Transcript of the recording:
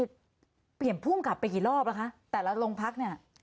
ก็เปลี่ยนผู้คัมกับไปกี่รอบละคะแต่ละลงพักเนี่ย